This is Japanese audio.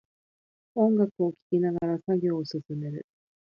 音楽を聴きながら作業を進める